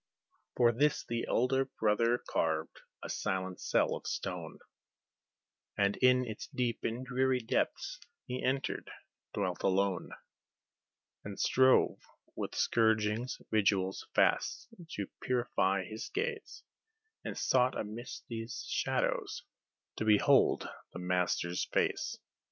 For this the elder brother carved a silent cell of stone, And in its deep and dreary depths he entered, dwelt alone, And strove with scourgings, vigils, fasts, to purify his gaze, And sought amidst these shadows to behold the Master's face.